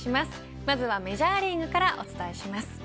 まずは、メジャーリーグからお伝えします。